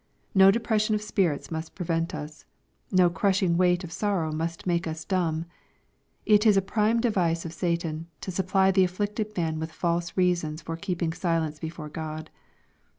No depression of spirits must prevent us. No crushing weight of sorrow must make us dumb. It is a prime device of Satan, to ^ supply the afflicted man with false reasons for keeping ' silence before God.